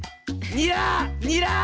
「ニラ」！